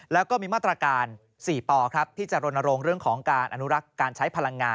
แล้วก็มีมาตรการ๔ปที่จะรณรงค์เรื่องของการอนุรักษ์การใช้พลังงาน